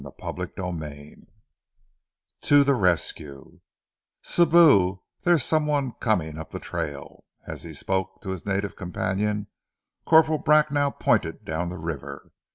CHAPTER XXII TO THE RESCUE "SIBOU there is some one coming up the trail!" As he spoke to his native companion, Corporal Bracknell pointed down the river.